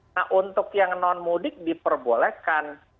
nah untuk yang non mudik diperbolehkan